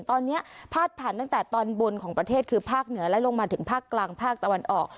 ตอนนี้พาดผ่านตั้งแต่ตอนบนของประเทศคือภาคเหนือและลงมาถึงภาคกลางภาคตะวันออก